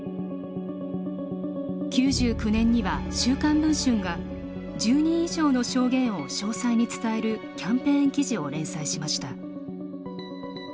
９９年には、週刊文春が１０人以上の証言を詳細に伝えるキャンペーン記事を連載しました。